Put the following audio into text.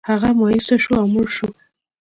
هغه مایوسه شو او مړ شو.